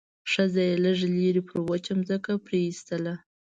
ښځه يې لږ لرې پر وچه ځمکه پرېيستله.